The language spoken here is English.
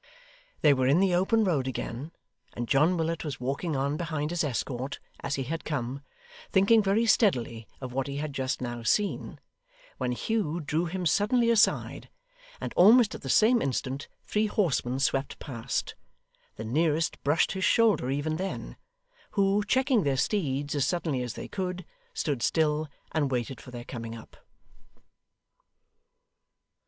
They were in the open road again, and John Willet was walking on behind his escort, as he had come, thinking very steadily of what he had just now seen, when Hugh drew him suddenly aside, and almost at the same instant three horsemen swept past the nearest brushed his shoulder even then who, checking their steeds as suddenly as they could, stood still, and waited for their coming up.